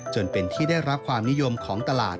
จนเป็นที่ได้รับความนิยมของตลาด